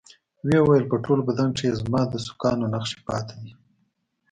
ويې ويل په ټول بدن کښې يې زما د سوکانو نخښې پاتې دي.